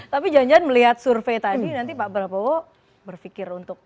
tapi jangan jangan melihat survei tadi nanti pak prabowo berpikir untuk